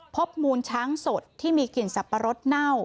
พบมูลช้างสดที่มีกลิ่นสับปะรดเน่า